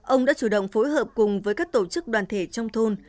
ông đã chủ động phối hợp cùng với các tổ chức đoàn thể trong thôn